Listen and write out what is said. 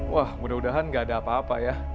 wah mudah mudahan gak ada apa apa ya